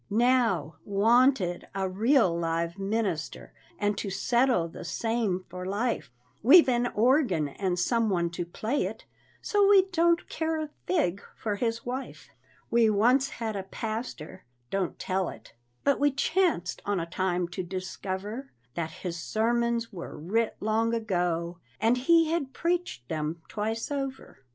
Now, "Wanted, a real live minister," And to settle the same for life, We've an organ and some one to play it, So we don't care a fig for his wife. We once had a pastor (don't tell it), But we chanced on a time to discover That his sermons were writ long ago, And he had preached them twice over.